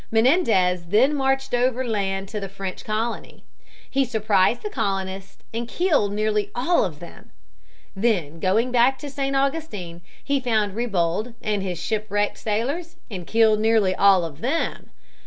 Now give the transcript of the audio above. Menendez then marched over land to the French colony. He surprised the colonists and killed nearly all of them. Then going back to St. Augustine, he found Ribault and his shipwrecked sailors and killed nearly all of them.